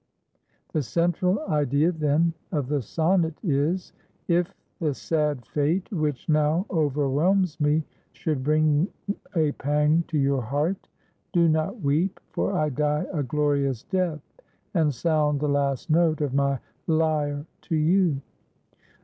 The central idea, then, of the sonnet is, "If the sad fate which now overwhelms me should bring a pang to your heart, do not weep, for I die a glorious death and sound the last note of my lyre to you."